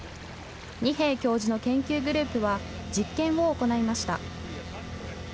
二瓶教授の研究グループは実験を行いました。